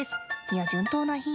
いや、順当な比喩？